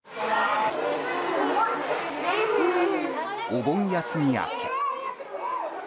お盆休み明け。